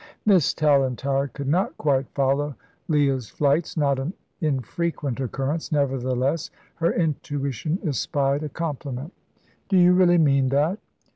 Miss Tallentire could not quite follow Leah's flights not an infrequent occurrence. Nevertheless, her intuition espied a compliment. "Do you really mean that?"